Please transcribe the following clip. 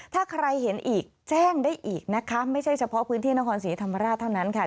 ถ้าใครเห็นอีกแจ้งได้อีกนะคะไม่ใช่เฉพาะพื้นที่นครศรีธรรมราชเท่านั้นค่ะ